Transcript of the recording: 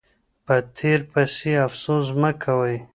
په تیر پسې افسوس مه کوئ.